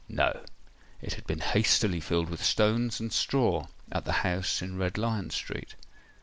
No: it had been hastily filled with stones and straw at the house in Red Lion Street.